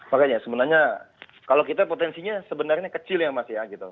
makanya sebenarnya kalau kita potensinya sebenarnya kecil ya mas ya gitu